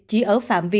chỉ ở phạm vi